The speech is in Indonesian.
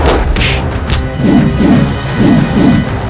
jangan cuma loja anda